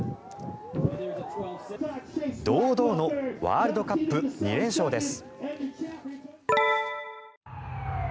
堂々のワールドカップ２連勝です。